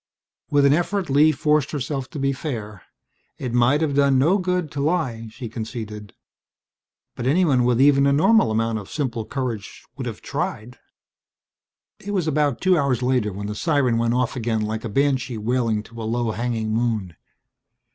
With an effort Lee forced herself to be fair. It might have done no good to lie, she conceded. But anyone with even a normal amount of simple courage would have tried. It was about two hours later when the siren went off again like a banshee wailing to a low hanging moon.